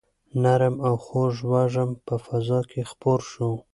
نرم او خوږ وږم په فضا کې خپور شو.